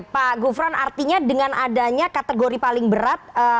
pak gufron artinya dengan adanya kategori paling berat